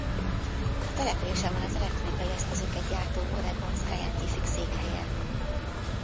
A településen van az elektronikai eszközöket gyártó Oregon Scientific székhelye.